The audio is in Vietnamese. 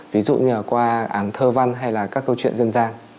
ví dụ như là qua án thơ văn hay là các câu chuyện dân gian